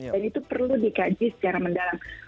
dan itu perlu dikaji secara mendalam